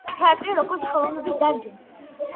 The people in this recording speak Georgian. თეატრი, როგორც ხელოვნების დარგი